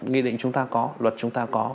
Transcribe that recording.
nghị định chúng ta có luật chúng ta có